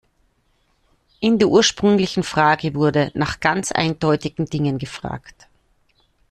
In der ursprünglichen Frage wurde nach ganz eindeutigen Dingen gefragt.